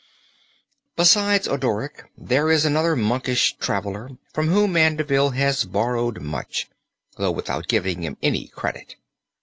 Besides Odoric there is another monkish traveler from whom Mandeville has borrowed much, though without giving him any credit.